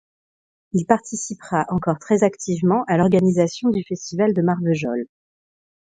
Il participera encore très activement à l'organisation du Festival de Marvejols.